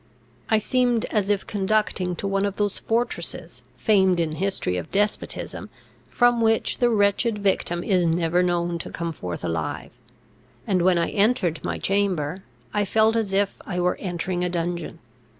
I seemed as if conducting to one of those fortresses, famed in the history of despotism, from which the wretched victim is never known to come forth alive; and when I entered my chamber, I felt as if I were entering a dungeon.